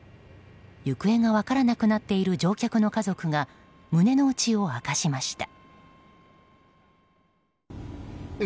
行方が分からなくなっている乗客の家族が胸の内を明かしました。